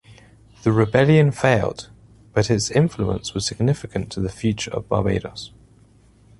The rebellion failed but its influence was significant to the future of Barbados.